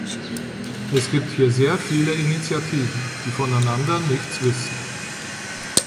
Es gibt hier sehr viele Initiativen, die voneinander nichts wissen.